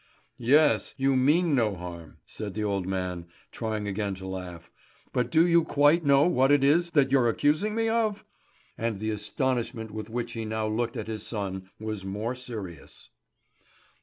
"Yes, you mean no harm," said the old man, trying again to laugh, "but do you quite know what it is that you're accusing me of?" And the astonishment with which he now looked at his son was more serious.